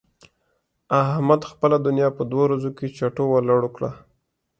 احمد خپله دونيا په دوو ورځو کې چټو و لړو کړه.